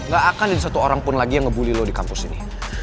gak akan ada satu orang pun lagi yang ngebully lo di kampus ini